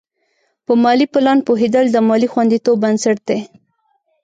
په مالي پلان پوهېدل د مالي خوندیتوب بنسټ دی.